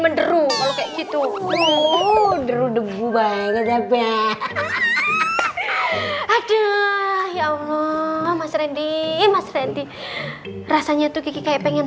menderu gitu uh deru deru banyak sampai haduh ya allah mas rendy mas rendy rasanya tuh kayak pengen